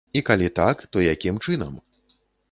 І калі так, то якім чынам?